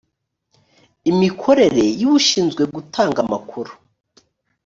imikorere y ushinzwe gutanga amakuru